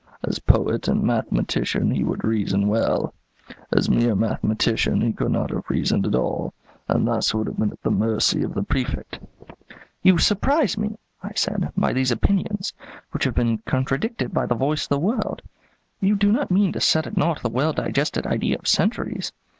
As poet and mathematician, he would reason well; as mere mathematician, he could not have reasoned at all, and thus would have been at the mercy of the Prefect." "You surprise me," I said, "by these opinions, which have been contradicted by the voice of the world. You do not mean to set at naught the well digested idea of centuries?